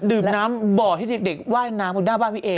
ดื่มน้ำบ่อให้เด็กว่ายน้ำบนหน้าบ้านพี่เอ